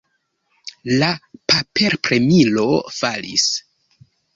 La paperpremilo falis.